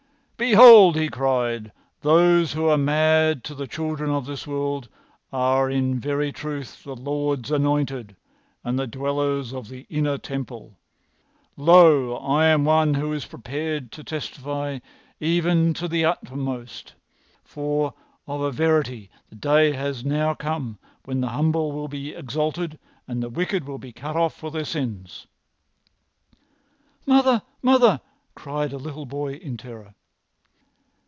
"Behold," he cried, "those who are mad to the children of this world are in very truth the Lord's anointed and the dwellers in the inner temple. Lo, I am one who is prepared to testify even to the uttermost, for of a verity the day has now come when the humble will be exalted and the wicked will be cut off in their sins!"[Pg 250] "Mother! Mother!" cried the little boy, in terror.